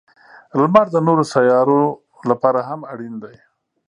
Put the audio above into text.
• لمر د نورو سیارونو لپاره هم اړین دی.